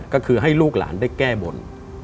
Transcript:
ก็คือให้ลูกหลานได้แก้บน